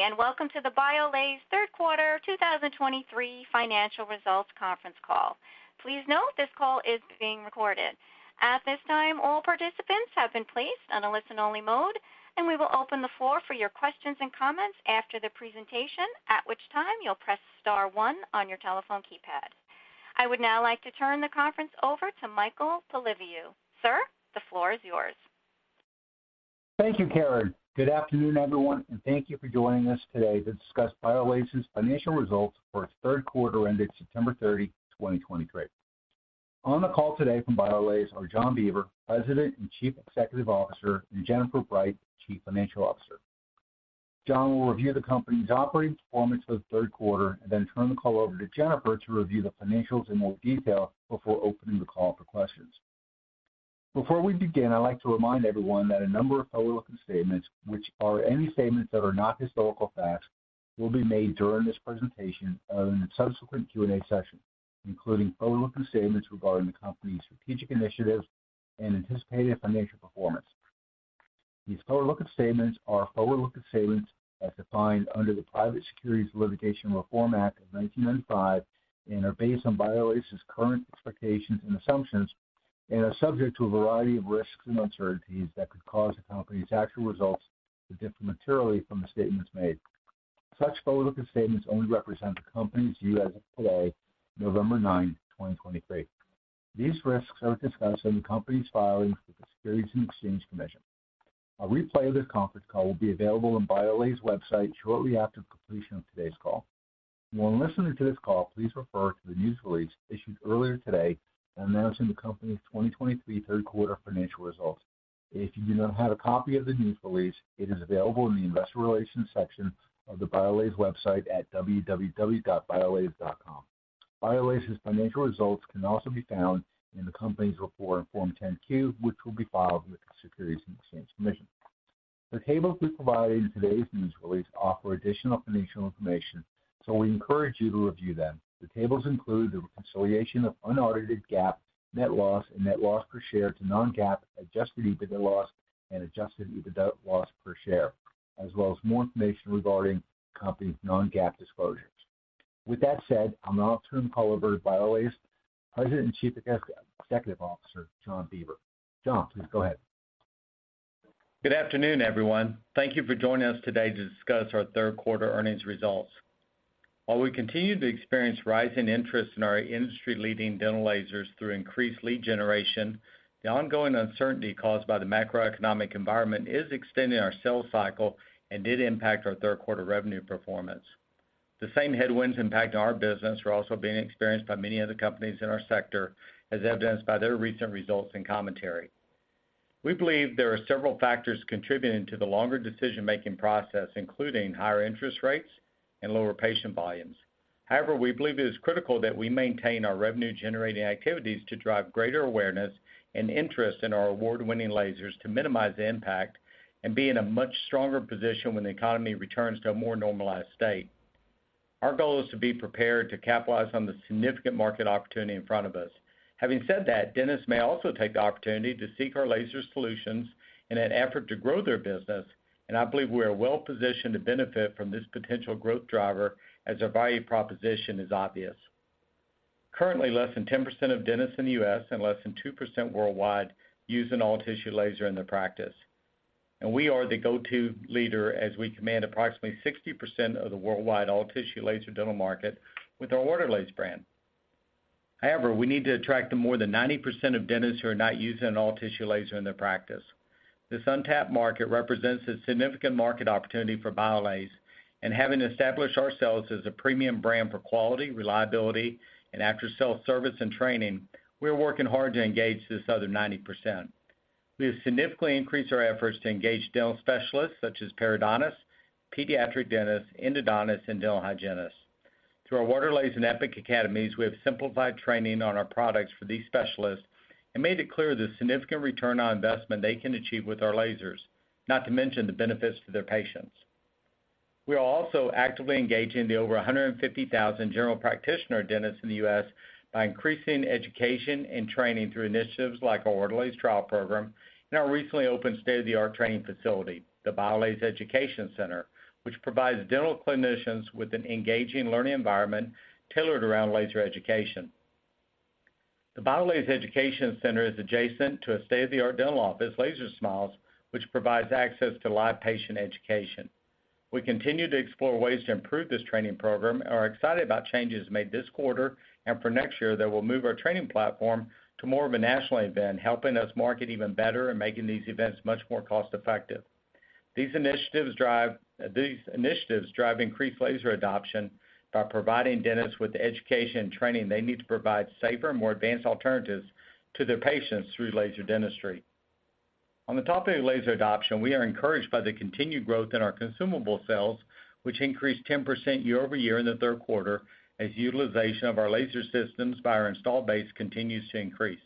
Good day, and welcome to the BIOLASE Third Quarter 2023 Financial Results Conference Call. Please note, this call is being recorded. At this time, all participants have been placed on a listen-only mode, and we will open the floor for your questions and comments after the presentation, at which time you'll press star one on your telephone keypad. I would now like to turn the conference over to Michael Polyviou. Sir, the floor is yours. Thank you, Karen. Good afternoon, everyone, and thank you for joining us today to discuss BIOLASE's financial results for its third quarter ended September 30, 2023. On the call today from BIOLASE are John Beaver, President and Chief Executive Officer, and Jennifer Bright, Chief Financial Officer. John will review the company's operating performance for the third quarter and then turn the call over to Jennifer to review the financials in more detail before opening the call for questions. Before we begin, I'd like to remind everyone that a number of forward-looking statements, which are any statements that are not historical facts, will be made during this presentation and in the subsequent Q&A session, including forward-looking statements regarding the company's strategic initiatives and anticipated financial performance. These forward-looking statements are forward-looking statements as defined under the Private Securities Litigation Reform Act of 1995 and are based on BIOLASE's current expectations and assumptions and are subject to a variety of risks and uncertainties that could cause the company's actual results to differ materially from the statements made. Such forward-looking statements only represent the company's view as of today, November 9, 2023. These risks are discussed in the company's filings with the Securities and Exchange Commission. A replay of this conference call will be available on BIOLASE's website shortly after completion of today's call. When listening to this call, please refer to the news release issued earlier today announcing the company's 2023 third quarter financial results. If you do not have a copy of the news release, it is available in the Investor Relations section of the BIOLASE website at www.biolase.com. BIOLASE's financial results can also be found in the company's report in Form 10-Q, which will be filed with the Securities and Exchange Commission. The tables we provided in today's news release offer additional financial information, so we encourage you to review them. The tables include the reconciliation of unaudited GAAP net loss and net loss per share to non-GAAP adjusted EBITDA loss and adjusted EBITDA loss per share, as well as more information regarding the company's non-GAAP disclosures. With that said, I'll now turn the call over to BIOLASE President and Chief Executive Officer, John Beaver. John, please go ahead. Good afternoon, everyone. Thank you for joining us today to discuss our third quarter earnings results. While we continue to experience rising interest in our industry-leading dental lasers through increased lead generation, the ongoing uncertainty caused by the macroeconomic environment is extending our sales cycle and did impact our third quarter revenue performance. The same headwinds impacting our business are also being experienced by many other companies in our sector, as evidenced by their recent results and commentary. We believe there are several factors contributing to the longer decision-making process, including higher interest rates and lower patient volumes. However, we believe it is critical that we maintain our revenue-generating activities to drive greater awareness and interest in our award-winning lasers to minimize the impact and be in a much stronger position when the economy returns to a more normalized state. Our goal is to be prepared to capitalize on the significant market opportunity in front of us. Having said that, dentists may also take the opportunity to seek our laser solutions in an effort to grow their business, and I believe we are well positioned to benefit from this potential growth driver as our value proposition is obvious. Currently, less than 10% of dentists in the U.S. and less than 2% worldwide use an all-tissue laser in their practice, and we are the go-to leader as we command approximately 60% of the worldwide all-tissue laser dental market with our Waterlase brand. However, we need to attract the more than 90% of dentists who are not using an all-tissue laser in their practice. This untapped market represents a significant market opportunity for BIOLASE, and having established ourselves as a premium brand for quality, reliability, and after-sale service and training, we are working hard to engage this other 90%. We have significantly increased our efforts to engage dental specialists such as periodontists, pediatric dentists, endodontists, and dental hygienists. Through our Waterlase and Epic academies, we have simplified training on our products for these specialists and made it clear the significant return on investment they can achieve with our lasers, not to mention the benefits to their patients. We are also actively engaging the over 150,000 general practitioner dentists in the U.S. by increasing education and training through initiatives like our Waterlase Trial Program and our recently opened state-of-the-art training facility, the BIOLASE Education Center, which provides dental clinicians with an engaging learning environment tailored around laser education. The BIOLASE Education Center is adjacent to a state-of-the-art dental office, Laser Smiles, which provides access to live patient education. We continue to explore ways to improve this training program and are excited about changes made this quarter and for next year that will move our training platform to more of a national event, helping us market even better and making these events much more cost-effective. These initiatives drive, these initiatives drive increased laser adoption by providing dentists with the education and training they need to provide safer and more advanced alternatives to their patients through laser dentistry. On the topic of laser adoption, we are encouraged by the continued growth in our consumable sales, which increased 10% year-over-year in the third quarter, as utilization of our laser systems by our installed base continues to increase.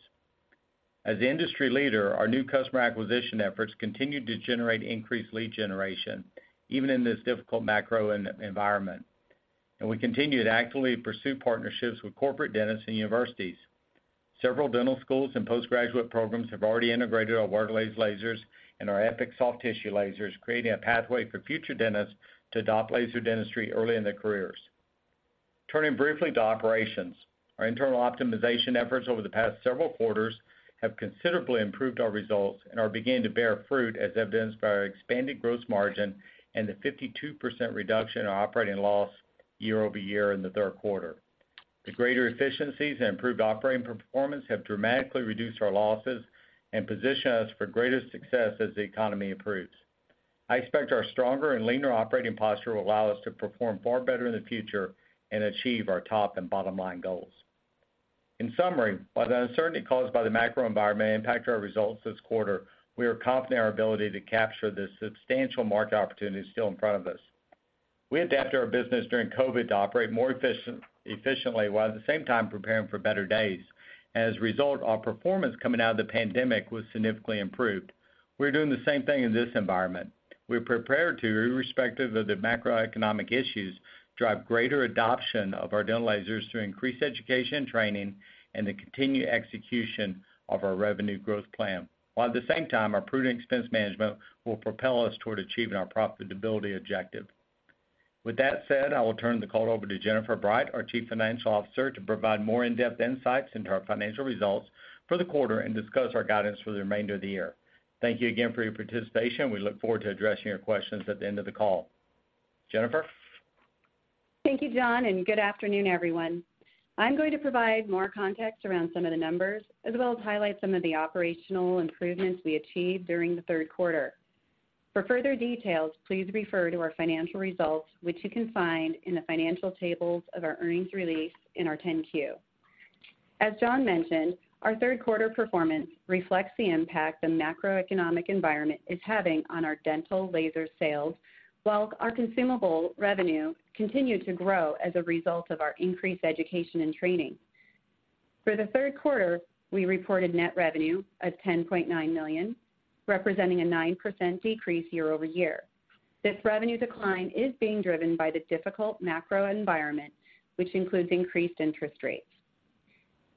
As the industry leader, our new customer acquisition efforts continue to generate increased lead generation, even in this difficult macro environment, and we continue to actively pursue partnerships with corporate dentists and universities. Several dental schools and postgraduate programs have already integrated our Waterlase lasers and our Epic soft tissue lasers, creating a pathway for future dentists to adopt laser dentistry early in their careers. Turning briefly to operations. Our internal optimization efforts over the past several quarters have considerably improved our results and are beginning to bear fruit, as evidenced by our expanded gross margin and the 52% reduction in operating loss year-over-year in the third quarter. The greater efficiencies and improved operating performance have dramatically reduced our losses and position us for greater success as the economy improves. I expect our stronger and leaner operating posture will allow us to perform far better in the future and achieve our top and bottom-line goals. In summary, while the uncertainty caused by the macro environment may impact our results this quarter, we are confident in our ability to capture the substantial market opportunity still in front of us. We adapted our business during COVID to operate more efficient, efficiently, while at the same time preparing for better days. As a result, our performance coming out of the pandemic was significantly improved. We're doing the same thing in this environment. We're prepared to, irrespective of the macroeconomic issues, drive greater adoption of our dental lasers through increased education and training and the continued execution of our revenue growth plan, while at the same time, our prudent expense management will propel us toward achieving our profitability objective. With that said, I will turn the call over to Jennifer Bright, our Chief Financial Officer, to provide more in-depth insights into our financial results for the quarter and discuss our guidance for the remainder of the year. Thank you again for your participation. We look forward to addressing your questions at the end of the call. Jennifer? Thank you, John, and good afternoon, everyone. I'm going to provide more context around some of the numbers, as well as highlight some of the operational improvements we achieved during the third quarter. For further details, please refer to our financial results, which you can find in the financial tables of our earnings release in our 10-Q. As John mentioned, our third quarter performance reflects the impact the macroeconomic environment is having on our dental laser sales, while our consumable revenue continued to grow as a result of our increased education and training. For the third quarter, we reported net revenue of $10.9 million, representing a 9% decrease year-over-year. This revenue decline is being driven by the difficult macro environment, which includes increased interest rates.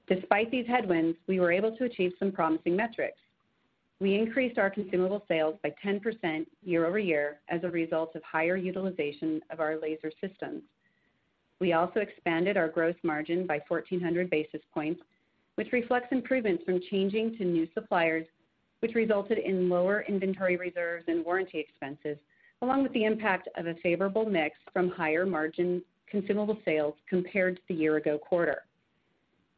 Despite these headwinds, we were able to achieve some promising metrics. We increased our consumable sales by 10% year-over-year as a result of higher utilization of our laser systems. We also expanded our gross margin by 1,400 basis points, which reflects improvements from changing to new suppliers, which resulted in lower inventory reserves and warranty expenses, along with the impact of a favorable mix from higher margin consumable sales compared to the year-ago quarter.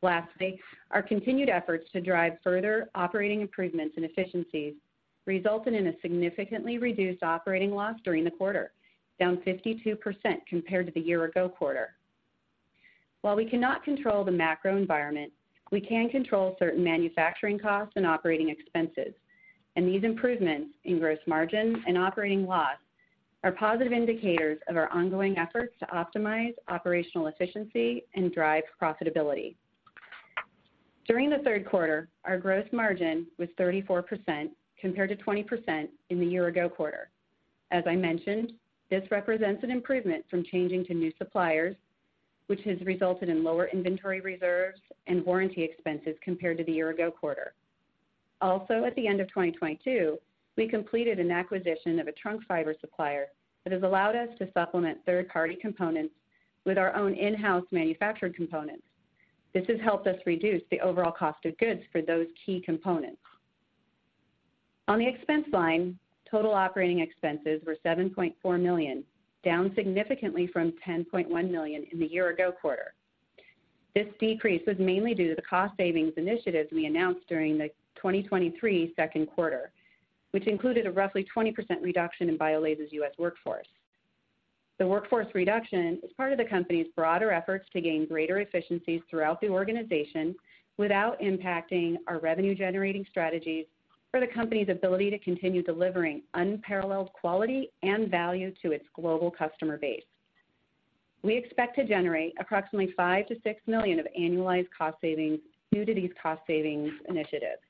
Lastly, our continued efforts to drive further operating improvements and efficiencies resulted in a significantly reduced operating loss during the quarter, down 52% compared to the year-ago quarter. While we cannot control the macro environment, we can control certain manufacturing costs and operating expenses, and these improvements in gross margin and operating loss are positive indicators of our ongoing efforts to optimize operational efficiency and drive profitability. During the third quarter, our gross margin was 34%, compared to 20% in the year ago quarter. As I mentioned, this represents an improvement from changing to new suppliers, which has resulted in lower inventory reserves and warranty expenses compared to the year ago quarter. Also, at the end of 2022, we completed an acquisition of a trunk fiber supplier that has allowed us to supplement third-party components with our own in-house manufactured components. This has helped us reduce the overall cost of goods for those key components. On the expense line, total operating expenses were $7.4 million, down significantly from $10.1 million in the year ago quarter. This decrease was mainly due to the cost savings initiatives we announced during the 2023 second quarter, which included a roughly 20% reduction in BIOLASE's U.S. workforce. The workforce reduction is part of the company's broader efforts to gain greater efficiencies throughout the organization without impacting our revenue-generating strategies or the company's ability to continue delivering unparalleled quality and value to its global customer base. We expect to generate approximately $5 million-$6 million of annualized cost savings due to these cost savings initiatives.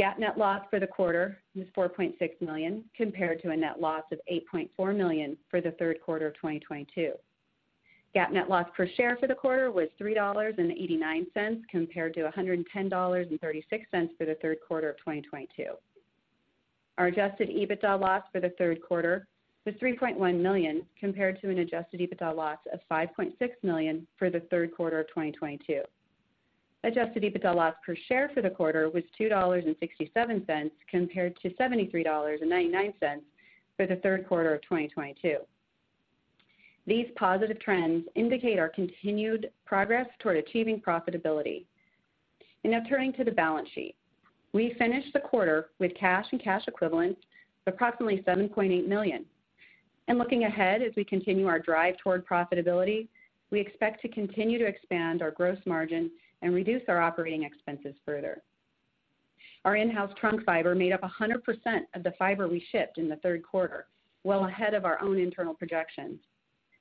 GAAP net loss for the quarter was $4.6 million, compared to a net loss of $8.4 million for the third quarter of 2022. GAAP net loss per share for the quarter was $3.89, compared to $110.36 for the third quarter of 2022. Our adjusted EBITDA loss for the third quarter was $3.1 million, compared to an adjusted EBITDA loss of $5.6 million for the third quarter of 2022. Adjusted EBITDA loss per share for the quarter was $2.67, compared to $73.99 for the third quarter of 2022. These positive trends indicate our continued progress toward achieving profitability. Now turning to the balance sheet. We finished the quarter with cash and cash equivalents of approximately $7.8 million. Looking ahead, as we continue our drive toward profitability, we expect to continue to expand our gross margin and reduce our operating expenses further. Our in-house trunk fiber made up 100% of the fiber we shipped in the third quarter, well ahead of our own internal projections.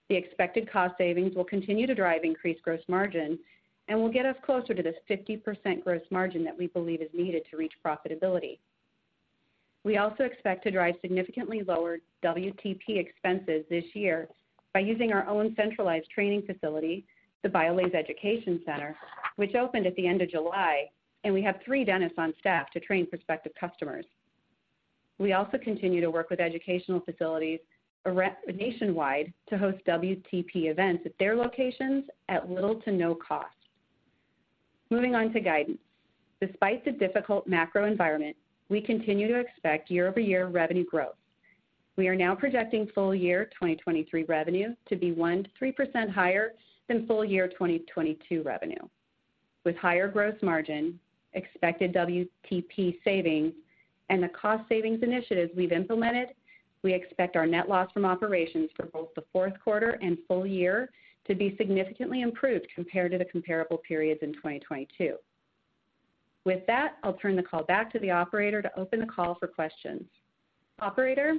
The expected cost savings will continue to drive increased gross margin and will get us closer to this 50% gross margin that we believe is needed to reach profitability. We also expect to drive significantly lower WTP expenses this year by using our own centralized training facility, the BIOLASE Education Center, which opened at the end of July, and we have three dentists on staff to train prospective customers. We also continue to work with educational facilities, nationwide, to host WTP events at their locations at little to no cost. Moving on to guidance. Despite the difficult macro environment, we continue to expect year-over-year revenue growth. We are now projecting full year 2023 revenue to be 1%-3% higher than full year 2022 revenue. With higher gross margin, expected WTP savings, and the cost savings initiatives we've implemented, we expect our net loss from operations for both the fourth quarter and full year to be significantly improved compared to the comparable periods in 2022. With that, I'll turn the call back to the operator to open the call for questions. Operator?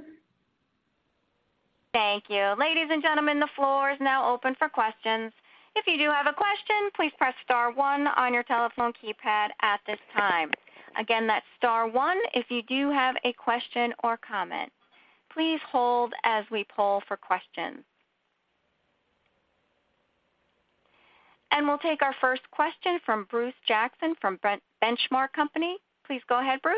Thank you. Ladies and gentlemen, the floor is now open for questions. If you do have a question, please press star one on your telephone keypad at this time. Again, that's star one if you do have a question or comment. Please hold as we poll for questions. We'll take our first question from Bruce Jackson from Benchmark Company. Please go ahead, Bruce.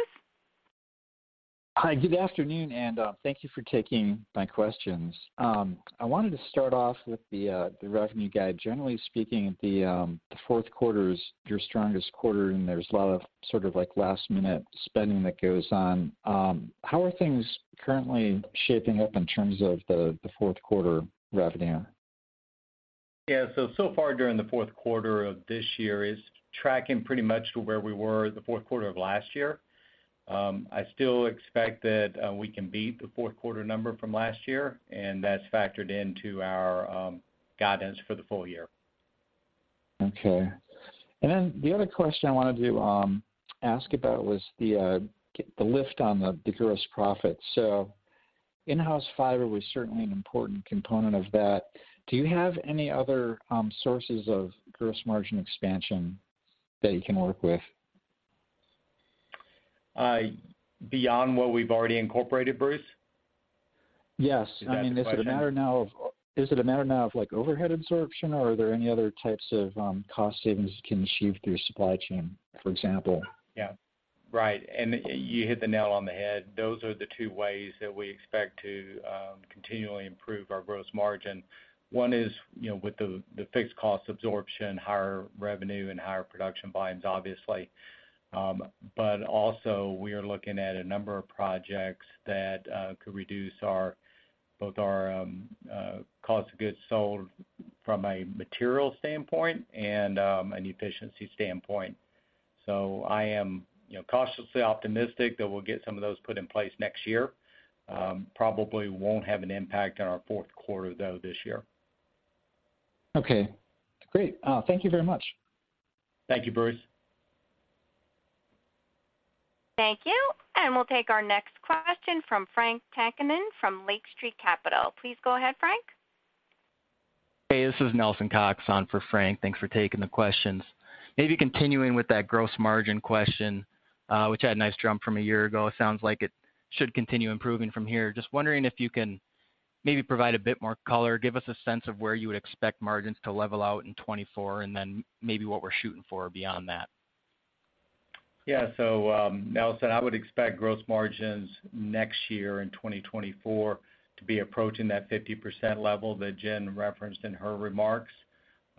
Hi, good afternoon, and thank you for taking my questions. I wanted to start off with the revenue guide. Generally speaking, the fourth quarter is your strongest quarter, and there's a lot of sort of like, last-minute spending that goes on. How are things currently shaping up in terms of the fourth quarter revenue? Yeah, so, so far during the fourth quarter of this year is tracking pretty much to where we were the fourth quarter of last year. I still expect that we can beat the fourth quarter number from last year, and that's factored into our guidance for the full year. Okay. And then the other question I wanted to ask about was the lift on the gross profit. So in-house fiber was certainly an important component of that. Do you have any other sources of gross margin expansion that you can work with? Beyond what we've already incorporated, Bruce? Yes. That's the question. I mean, is it a matter now of like, overhead absorption, or are there any other types of cost savings you can achieve through your supply chain, for example? Yeah. Right, and you hit the nail on the head. Those are the two ways that we expect to continually improve our gross margin. One is, you know, with the fixed cost absorption, higher revenue and higher production volumes, obviously. But also we are looking at a number of projects that could reduce our cost of goods sold from a material standpoint and an efficiency standpoint. So I am, you know, cautiously optimistic that we'll get some of those put in place next year. Probably won't have an impact on our fourth quarter, though, this year. Okay, great. Thank you very much. Thank you, Bruce. Thank you. We'll take our next question from Frank Takkinen from Lake Street Capital. Please go ahead, Frank. Hey, this is Nelson Cox on for Frank. Thanks for taking the questions. Maybe continuing with that gross margin question, which had a nice jump from a year ago. It sounds like it should continue improving from here. Just wondering if you can maybe provide a bit more color, give us a sense of where you would expect margins to level out in 2024, and then maybe what we're shooting for beyond that. Yeah. So, Nelson, I would expect gross margins next year in 2024 to be approaching that 50% level that Jen referenced in her remarks.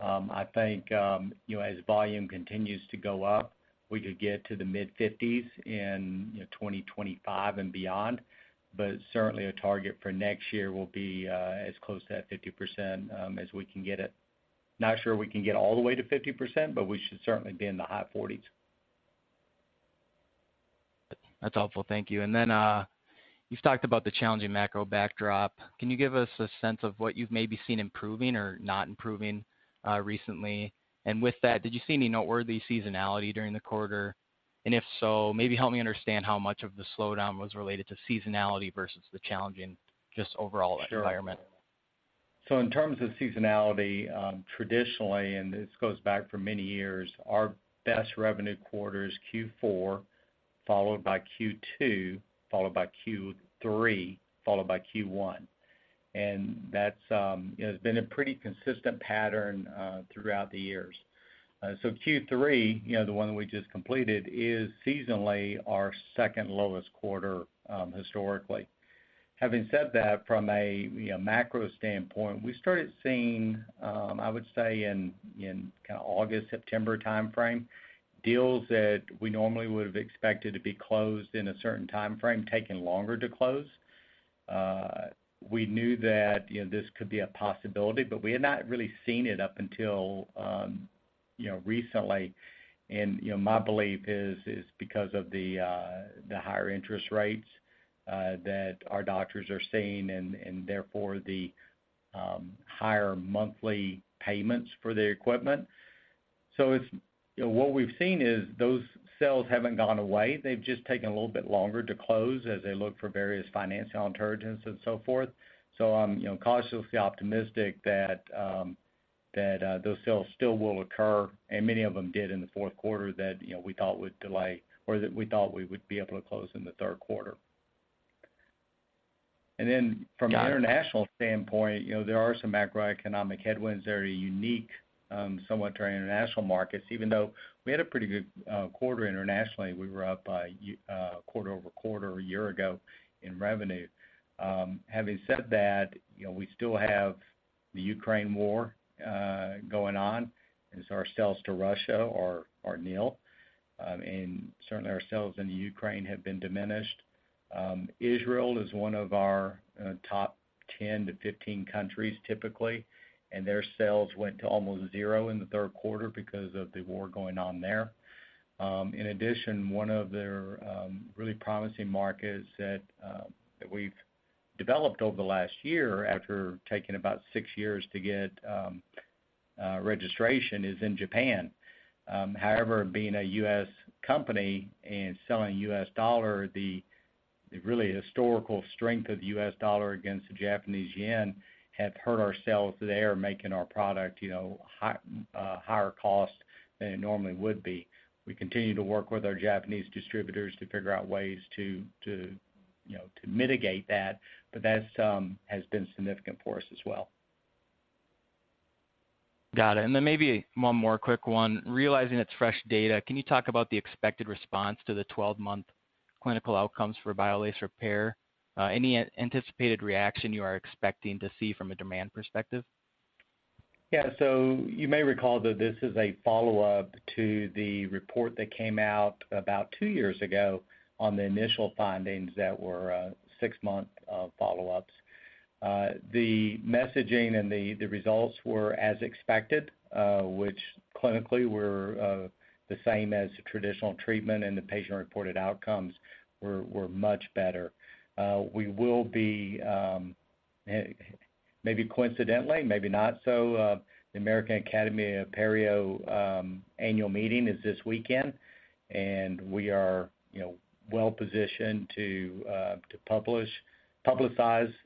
I think, you know, as volume continues to go up, we could get to the mid-50s% in, you know, 2025 and beyond. But certainly, a target for next year will be, as close to that 50%, as we can get it. Not sure we can get all the way to 50%, but we should certainly be in the high 40s%. That's helpful. Thank you. And then, you've talked about the challenging macro backdrop. Can you give us a sense of what you've maybe seen improving or not improving, recently? And with that, did you see any noteworthy seasonality during the quarter? And if so, maybe help me understand how much of the slowdown was related to seasonality versus the challenging, just overall environment. Sure. So in terms of seasonality, traditionally, and this goes back for many years, our best revenue quarter is Q4, followed by Q2, followed by Q3, followed by Q1. And that's, you know, been a pretty consistent pattern, throughout the years. So Q3, you know, the one that we just completed, is seasonally our second lowest quarter, historically. Having said that, from a, you know, macro standpoint, we started seeing, I would say in kind of August, September timeframe, deals that we normally would have expected to be closed in a certain timeframe, taking longer to close. We knew that, you know, this could be a possibility, but we had not really seen it up until, you know, recently. And, you know, my belief is because of the higher interest rates that our doctors are seeing, and therefore the higher monthly payments for the equipment. So it's, you know, what we've seen is those sales haven't gone away, they've just taken a little bit longer to close as they look for various financial alternatives and so forth. So I'm, you know, cautiously optimistic that that those sales still will occur, and many of them did in the fourth quarter that, you know, we thought would delay or that we thought we would be able to close in the third quarter. And then from an international standpoint, you know, there are some macroeconomic headwinds that are unique, somewhat to our international markets, even though we had a pretty good quarter internationally. We were up by quarter-over-quarter a year ago in revenue. Having said that, you know, we still have the Ukraine war going on, and so our sales to Russia are nil. And certainly our sales in the Ukraine have been diminished. Israel is one of our top 10-15 countries typically, and their sales went to almost zero in the third quarter because of the war going on there. In addition, one of their really promising markets that we've developed over the last year, after taking about six years to get registration, is in Japan. However, being a U.S. company and selling U.S. dollar, the really historical strength of the U.S. dollar against the Japanese yen has hurt our sales there, making our product, you know, high, higher cost than it normally would be. We continue to work with our Japanese distributors to figure out ways to, you know, to mitigate that, but that's has been significant for us as well. Got it. And then maybe one more quick one. Realizing it's fresh data, can you talk about the expected response to the 12-month clinical outcomes for BIOLASE REPAIR? Any anticipated reaction you are expecting to see from a demand perspective? Yeah, so you may recall that this is a follow-up to the report that came out about two years ago on the initial findings that were six-month follow-ups. The messaging and the results were as expected, which clinically were the same as the traditional treatment, and the patient-reported outcomes were much better. We will be... Maybe coincidentally, maybe not so, the American Academy of Periodontology annual meeting is this weekend, and we are, you know, well positioned to publicize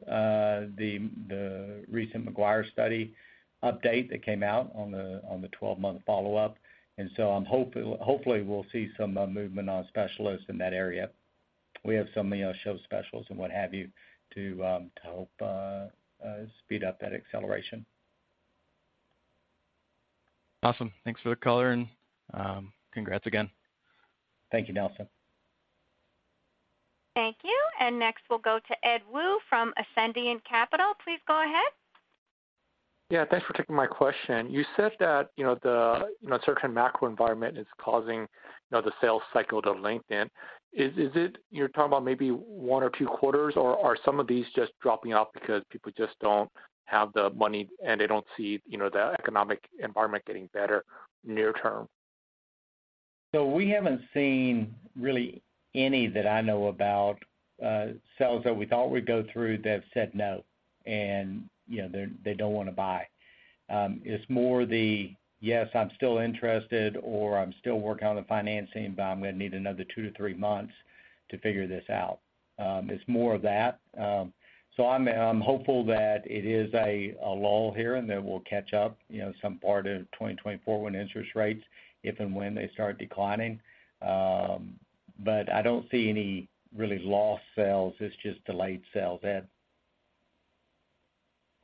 the recent McGuire study update that came out on the 12-month follow-up. And so hopefully, we'll see some movement on specialists in that area. We have some, you know, show specialists and what have you, to help speed up that acceleration. Awesome. Thanks for the color and, congrats again. Thank you, Nelson. Thank you. Next, we'll go to Ed Woo from Ascendiant Capital. Please go ahead. Yeah, thanks for taking my question. You said that, you know, the, you know, certain macro environment is causing, you know, the sales cycle to lengthen. Is it you're talking about maybe one or two quarters, or are some of these just dropping off because people just don't have the money, and they don't see, you know, the economic environment getting better near term? So we haven't seen really any that I know about, sales that we thought would go through that have said no, and, you know, they, they don't want to buy. It's more the, "Yes, I'm still interested," or, "I'm still working on the financing, but I'm going to need another two to three months to figure this out." It's more of that. So I'm hopeful that it is a lull here, and that we'll catch up, you know, some part of 2024 when interest rates, if and when they start declining. But I don't see any really lost sales. It's just delayed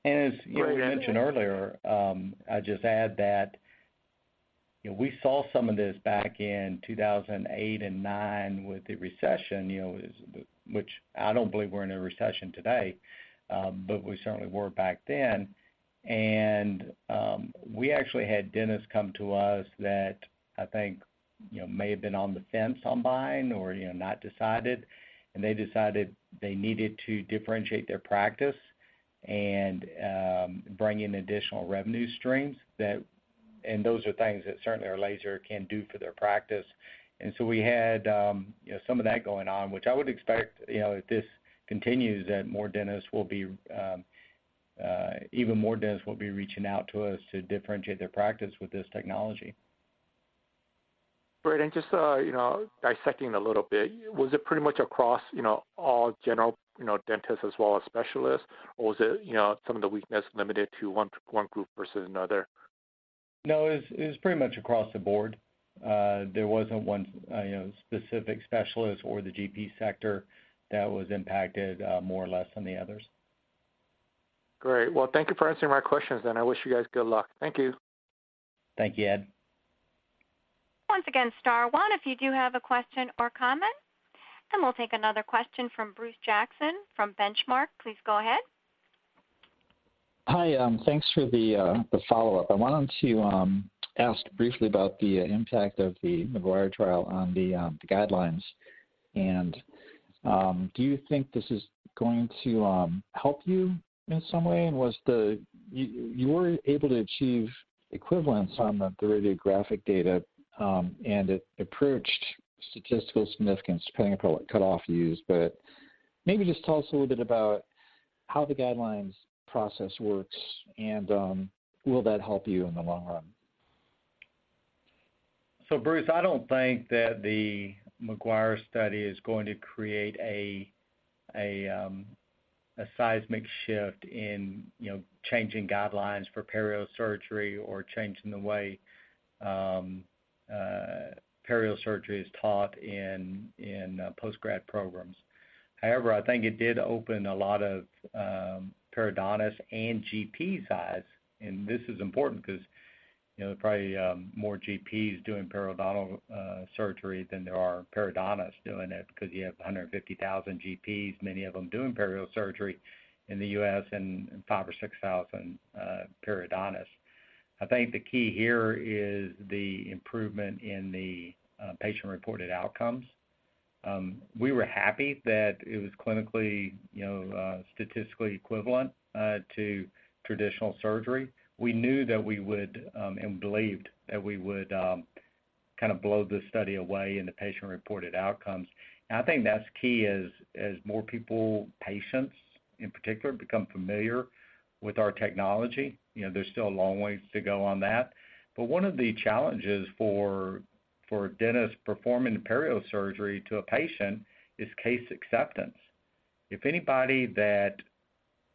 sales, Ed. And as you know, I mentioned earlier, I'd just add that, you know, we saw some of this back in 2008 and 2009 with the recession, you know, which I don't believe we're in a recession today, but we certainly were back then. And we actually had dentists come to us that I think, you know, may have been on the fence on buying or, you know, not decided, and they decided they needed to differentiate their practice and bring in additional revenue streams that... And those are things that certainly our laser can do for their practice. And so we had, you know, some of that going on, which I would expect, you know, if this continues, that more dentists will be even more dentists will be reaching out to us to differentiate their practice with this technology. Great. And just, you know, dissecting a little bit, was it pretty much across, you know, all general, you know, dentists as well as specialists, or was it, you know, some of the weakness limited to one group versus another? No, it's, it's pretty much across the board. There wasn't one, you know, specific specialist or the GP sector that was impacted more or less than the others. Great. Well, thank you for answering my questions then. I wish you guys good luck. Thank you. Thank you, Ed. Once again, star one if you do have a question or comment. We'll take another question from Bruce Jackson from Benchmark. Please go ahead. Hi, thanks for the follow-up. I wanted to ask briefly about the impact of the McGuire trial on the guidelines. Do you think this is going to help you in some way? You were able to achieve equivalence on the radiographic data, and it approached statistical significance, depending upon what cut off you used. But maybe just tell us a little bit about how the guidelines process works, and will that help you in the long run?... So Bruce, I don't think that the McGuire study is going to create a seismic shift in, you know, changing guidelines for perio surgery or changing the way perio surgery is taught in postgrad programs. However, I think it did open a lot of periodontists and GPs' eyes, and this is important because, you know, there are probably more GPs doing periodontal surgery than there are periodontists doing it, because you have 150,000 GPs, many of them doing perio surgery in the U.S., and 5,000 or 6,000 periodontists. I think the key here is the improvement in the patient-reported outcomes. We were happy that it was clinically, you know, statistically equivalent to traditional surgery. We knew that we would and believed that we would kind of blow the study away in the patient-reported outcomes. I think that's key as more people, patients in particular, become familiar with our technology. You know, there's still a long ways to go on that, but one of the challenges for dentists performing perio surgery to a patient is case acceptance. If anybody that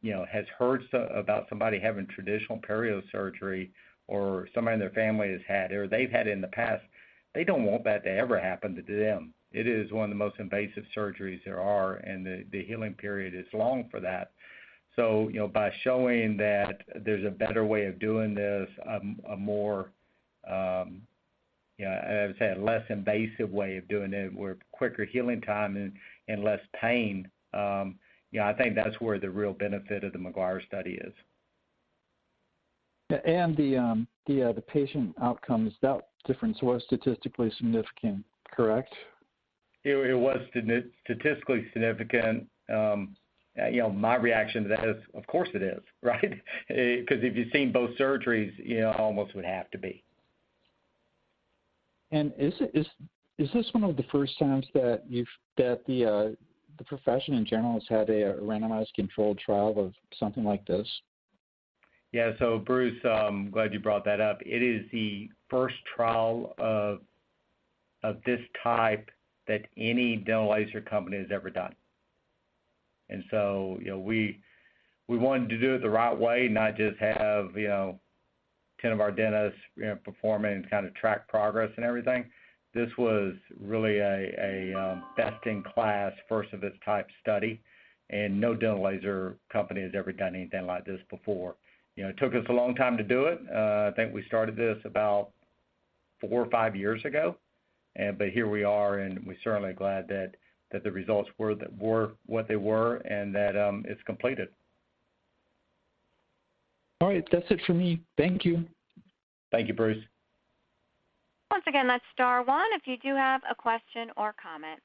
you know has heard about somebody having traditional perio surgery or somebody in their family has had, or they've had it in the past, they don't want that to ever happen to them. It is one of the most invasive surgeries there are, and the healing period is long for that. So, you know, by showing that there's a better way of doing this, a more, as I said, less invasive way of doing it, with quicker healing time and less pain, I think that's where the real benefit of the McGuire study is. The patient outcomes, that difference was statistically significant, correct? It was statistically significant. You know, my reaction to that is, of course, it is, right? Because if you've seen both surgeries, you know, it almost would have to be. Is this one of the first times that the profession, in general, has had a randomized controlled trial of something like this? Yeah. So Bruce, glad you brought that up. It is the first trial of this type that any dental laser company has ever done. And so, you know, we wanted to do it the right way, not just have, you know, 10 of our dentists, you know, perform it and kind of track progress and everything. This was really a best-in-class, first-of-its-type study, and no dental laser company has ever done anything like this before. You know, it took us a long time to do it. I think we started this about four or five years ago. But here we are, and we're certainly glad that the results were what they were, and that it's completed. All right. That's it for me. Thank you. Thank you, Bruce. Once again, that's star one, if you do have a question or comment.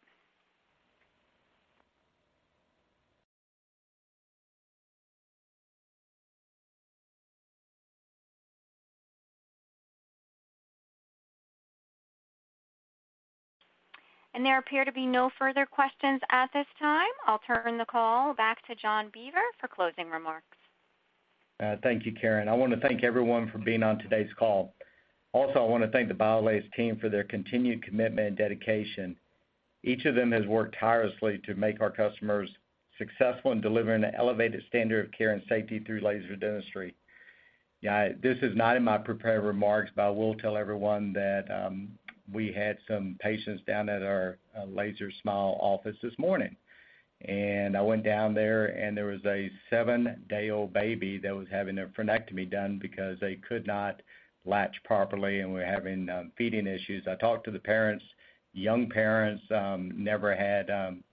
There appear to be no further questions at this time. I'll turn the call back to John Beaver for closing remarks. Thank you, Karen. I want to thank everyone for being on today's call. Also, I want to thank the BIOLASE team for their continued commitment and dedication. Each of them has worked tirelessly to make our customers successful in delivering an elevated standard of care and safety through laser dentistry. Yeah, this is not in my prepared remarks, but I will tell everyone that, we had some patients down at our, Laser Smiles office this morning, and I went down there and there was a seven-day-old baby that was having a frenectomy done because they could not latch properly and were having, feeding issues. I talked to the parents, young parents, never had...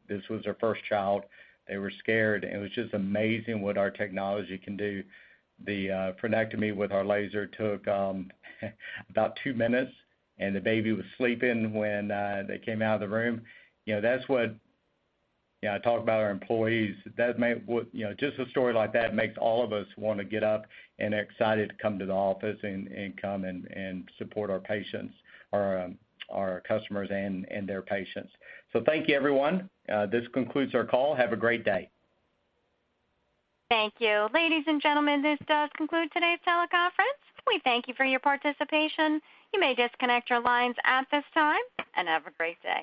This was their first child. They were scared, and it was just amazing what our technology can do. The frenectomy with our laser took about two minutes, and the baby was sleeping when they came out of the room. You know, that's what... Yeah, I talk about our employees. You know, just a story like that makes all of us want to get up and excited to come to the office and, and come and, and support our patients, or our customers and, and their patients. So thank you, everyone. This concludes our call. Have a great day. Thank you. Ladies and gentlemen, this does conclude today's teleconference. We thank you for your participation. You may disconnect your lines at this time, and have a great day.